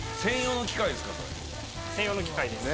専用の機械です。